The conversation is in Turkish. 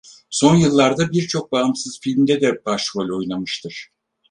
Son yıllarda birçok bağımsız filmde de başrol oynamıştır.